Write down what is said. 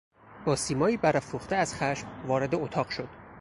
با سیمایی برافروخته از خشم وارد اتاق شد.